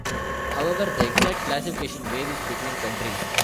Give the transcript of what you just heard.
However, the exact classification varies between countries.